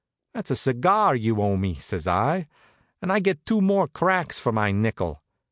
"That's a cigar you owe me," says I, "and I gets two more cracks for my nickel."